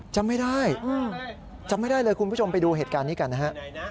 จำไม่ได้จำไม่ได้เลยคุณผู้ชมไปดูเหตุการณ์นี้กันนะฮะ